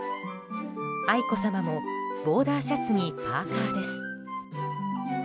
愛子さまもボーダーシャツにパーカです。